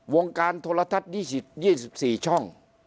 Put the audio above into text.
วงการโทรทัศน์๒๔ช่อง